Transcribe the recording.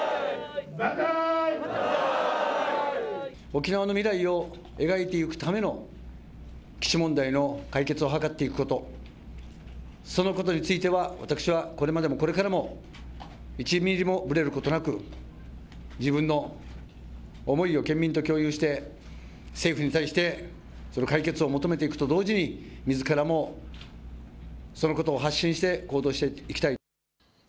沖縄の未来を描いてゆくための基地問題の解決を図っていくことそのことについては私はこれからもこれまでもこれからも１ミリもぶれることなく自分の思いを県民と共有して政府に対してその解決を求めていくと同時にみずからもそのことを発信して行動していきたい。